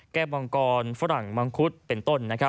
มังกรฝรั่งมังคุดเป็นต้น